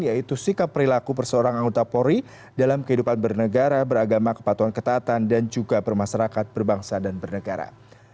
yaitu sikap perilaku per seorang anggota polri dalam kehidupan bernegara beragama kepatuhan ketatan dan juga permasyarakat perbangsa dan bernegara